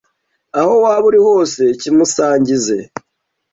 aho waba uri hose kimusangize